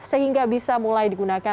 sehingga bisa memulai penyelamatan